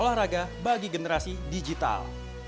olahraga bagi generasi digital